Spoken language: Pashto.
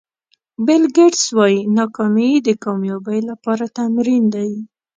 بیل ګېټس وایي ناکامي د کامیابۍ لپاره تمرین دی.